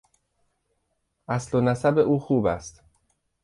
اصل و نسب او خوب است.